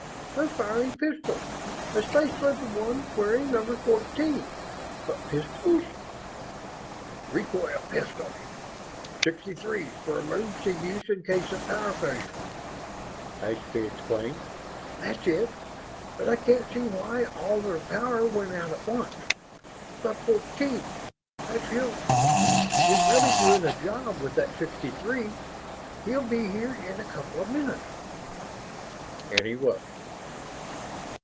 They're firing pistols especially the one wearing number fourteen but pistols?" "Recoil pistols sixty threes for emergency use in case of power failure," Ashby explained. "That's it ... but I can't see why all their power went out at once. But Fourteen that's Hilton is really doing a job with that sixty three. He'll be here in a couple of minutes." And he was.